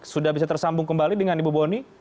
sudah bisa tersambung kembali dengan ibu boni